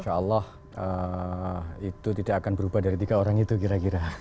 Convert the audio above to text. insya allah itu tidak akan berubah dari tiga orang itu kira kira